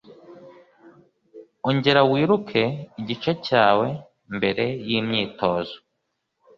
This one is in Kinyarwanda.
Ongera wiruke igice cyawe mbere yimyitozo